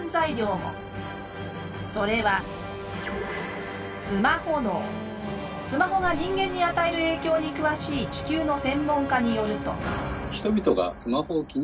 それはスマホが人間に与える影響に詳しい地球の専門家によると。